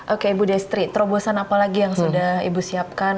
oke ibu destri terobosan apa lagi yang sudah ibu siapkan